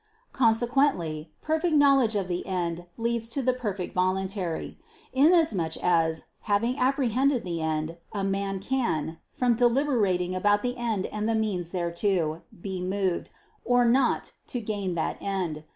Consequently perfect knowledge of the end leads to the perfect voluntary; inasmuch as, having apprehended the end, a man can, from deliberating about the end and the means thereto, be moved, or not, to gain that end.